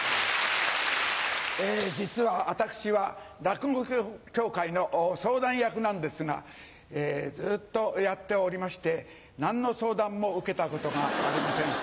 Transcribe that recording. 実は私は落語協会の相談役なんですがずっとやっておりまして何の相談も受けたことがありません。